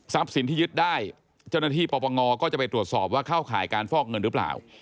สินที่ยึดได้เจ้าหน้าที่ปปงก็จะไปตรวจสอบว่าเข้าข่ายการฟอกเงินหรือเปล่า